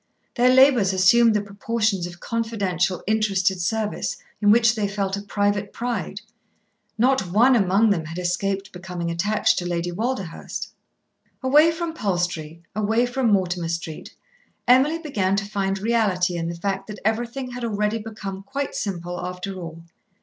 Their labours assumed the proportions of confidential interested service, in which they felt a private pride. Not one among them had escaped becoming attached to Lady Walderhurst. Away from Palstrey, away from Mortimer Street, Emily began to find reality in the fact that everything had already become quite simple, after all.